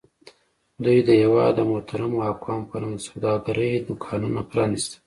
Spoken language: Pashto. دوی د هېواد د محترمو اقوامو په نوم د سوداګرۍ دوکانونه پرانیستل.